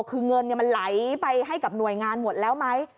คือเงินมันไหลไปให้กับหน่วยงานหมดแล้วไหม